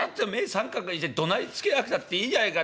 三角にしてどなりつけなくたっていいじゃないか。